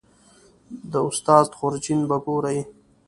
د استاد خورجین به ګورې